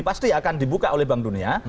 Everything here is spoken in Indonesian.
pasti akan dibuka oleh bank dunia